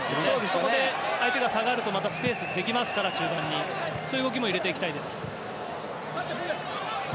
そこで相手が下がるとまた中盤にスペースができますからそういう動きも入れていきたいです。